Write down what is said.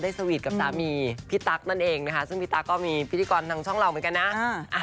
สวีทกับสามีพี่ตั๊กนั่นเองนะคะซึ่งพี่ตั๊กก็มีพิธีกรทางช่องเราเหมือนกันนะ